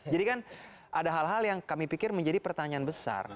jadi kan ada hal hal yang kami pikir menjadi pertanyaan besar